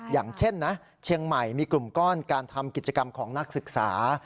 อย่างเช่นนะเชียงใหม่มีกลุ่มก้อนการทำกิจกรรมของนักศึกษา